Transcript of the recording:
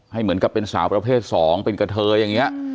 ให้เหมือนกับเป็นสาวประเภทสองเป็นกับเธอยังเงี้ย